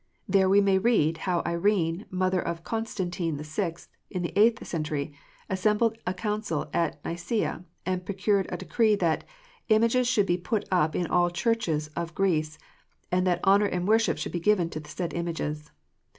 There we may read how Irene, mother of Constantino the Sixth, in the eighth century, assembled a Council at Mcsea, and procured a decree that "images should be put up in all the churches of Greece, and that honour and worship should be given to the said images."